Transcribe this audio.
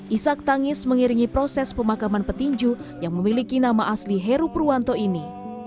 isak tangis mengiringi proses pemakaman petinju yang memiliki nama asli heru purwanto ini